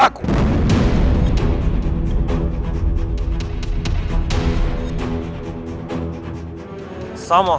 kau bisa jelasin semuanya